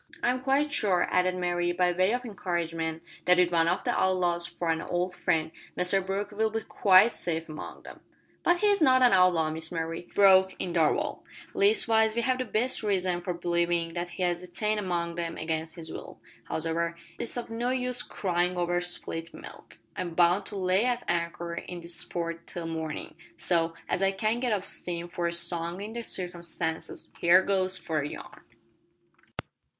"I'm quite sure," added Mary, by way of encouragement, "that with one of the outlaws for an old friend, Mr Brooke will be quite safe among them." "But he's not an outlaw, Miss Mary," broke in Darvall. "Leastwise we have the best reason for believin' that he's detained among them against his will. Hows'ever, it's of no use cryin' over spilt milk. I'm bound to lay at anchor in this port till mornin', so, as I can't get up steam for a song in the circumstances, here goes for a yarn."